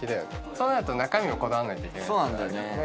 そうなると中身もこだわんないといけないよね